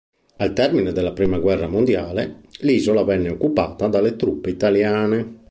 Al termine della Prima Guerra Mondiale, l'isola venne occupata dalle truppe italiane.